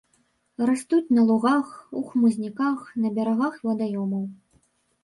Растуць на лугах, у хмызняках, на берагах вадаёмаў.